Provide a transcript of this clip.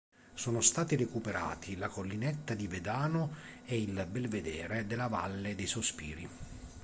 Sono stati recuperati la Collinetta di Vedano e il Belvedere della Valle dei Sospiri.